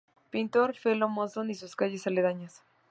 Pintor Felo Monzón y sus calles aledañas.